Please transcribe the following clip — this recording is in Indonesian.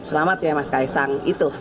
selamat ya mas kaesang